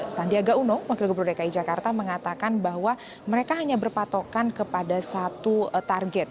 sandiaga uno wakil gubernur dki jakarta mengatakan bahwa mereka hanya berpatokan kepada satu target